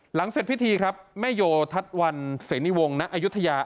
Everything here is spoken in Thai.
เสร็จพิธีครับแม่โยทัศน์วันเสนีวงณอายุทยา